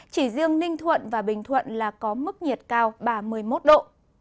chỉ riêng ninh thuận và bình thuận là có mức nhiệt cao ba mươi một độ